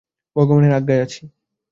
ভগবানের আজ্ঞায় যাচ্ছি।